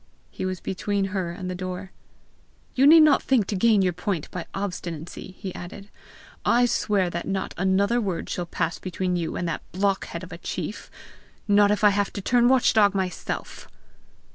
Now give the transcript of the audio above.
He was between her and the door. "You need not think to gain your point by obstinacy," he added. "I swear that not another word shall pass between you and that blockhead of a chief not if I have to turn watch dog myself!"